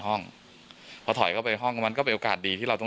ป้องกันความผิดพลาดทุกทาง